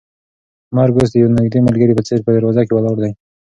مرګ اوس د یو نږدې ملګري په څېر په دروازه کې ولاړ دی.